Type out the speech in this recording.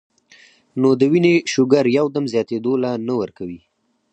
نو د وينې شوګر يو دم زياتېدو له نۀ ورکوي -